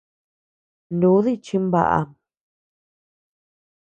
Ndudi chimbaʼam.